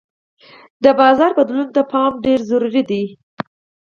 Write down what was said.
د بازار بدلون ته پام ضروري دی.